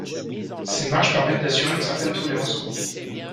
Ces marges permettent d'assurer une certaine tolérance au bruit.